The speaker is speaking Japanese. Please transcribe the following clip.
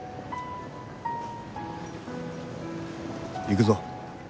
行くぞ。